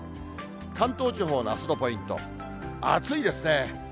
関東地方のあすのポイント、暑いですね。